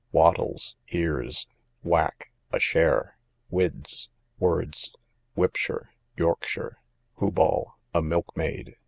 Wattles, ears. Whack, a share. Whids, words. Whipshire, Yorkshire. Whoball, a milkmaid.